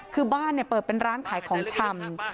คือบ้านเปิดเป็นร้านขายของชำ